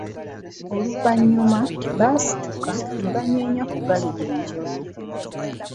Oluvanyuma baasituka ne banyeenya ku galiba enjole.